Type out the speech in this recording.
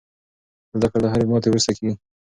زده کړه له هرې ماتې وروسته کېږي.